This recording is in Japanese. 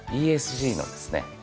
ＥＳＧのですね